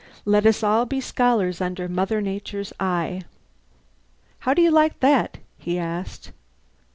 Let us all be scholars under Mother Nature's eye. "How do you like that?" he asked.